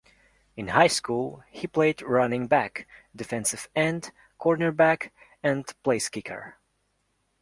In high school, he played running back, defensive end, cornerback and placekicker.